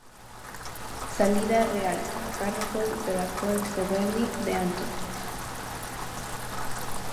Salida real: Carrefour de la Croix-de-Berny de Antony.